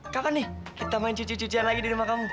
kapan nih kita main cuci cucian lagi di rumah kamu